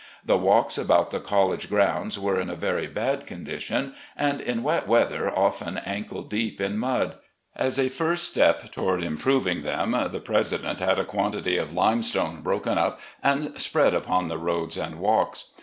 The walks about the college grounds were in a very bad condition, and, in wet weather, often ankle deep in mud. As a first step toward improving them the president had a quantity of limestone broken up and spread upon the roads and walks.